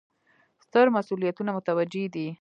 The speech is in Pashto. ستر مسوولیتونه متوجه دي.